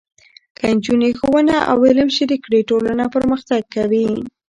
که نجونې ښوونه او علم شریک کړي، ټولنه پرمختګ کوي.